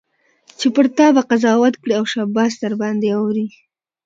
چي پر تا به قضاوت کړي او شاباس درباندي اوري